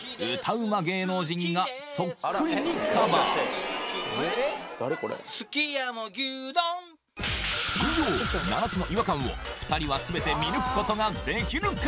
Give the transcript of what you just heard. うま芸能人がそっくりにカバーすき家の牛丼以上７つの違和感を２人は全て見抜くことができるか？